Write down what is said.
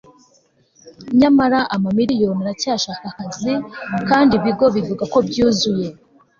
nyamara, amamiriyoni aracyashaka akazi, kandi ibigo bivuga ko byuzuye